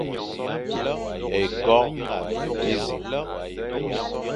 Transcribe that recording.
Ékôkh énẑiñ,